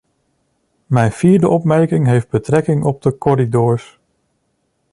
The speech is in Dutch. Mijn vierde opmerking heeft betrekking op de corridors.